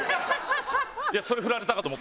いやそれ振られたかと思って。